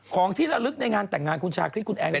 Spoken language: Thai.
ของที่ระลึกในงานแต่งงานคุณชาคริสคุณแอน